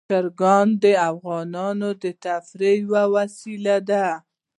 چرګان د افغانانو د تفریح یوه وسیله ده.